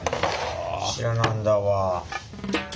知らなんだわ。